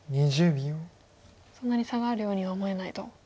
そんなに差があるようには思えないと。